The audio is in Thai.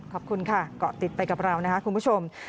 ขอบคุณค่ะเกาะติดไปกับเรานะครับคุณผู้ชม